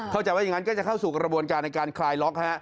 เข้าใจว่าอย่างนั้นก็จะเข้าสู่กระบวนการในการคลายล็อก